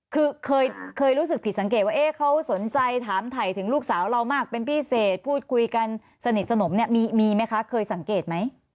คือเคยรู้สึกผิดสังเกตว่าเขาสนใจถามถ่ายถึงลูกสาวเรามากเป็นพิเศษพูดคุยกันสนิทสนมเนี่ยมีไหมคะเคยสังเกตไหม